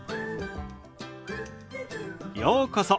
ようこそ。